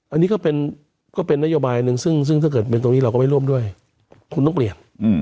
อันนี้ก็เป็นนโยบายหนึ่งซึ่งถ้าเกิดเป็นตรงนี้เราก็ไม่ร่วมด้วยคุณต้องเปลี่ยน